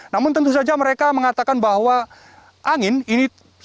namun tentu saja mereka mengatakan bahwa angin ini